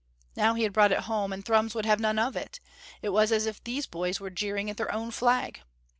Now he had brought it home, and Thrums would have none of it; it was as if these boys were jeering at their own flag.